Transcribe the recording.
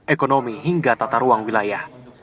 ekonomi hingga tata ruang wilayah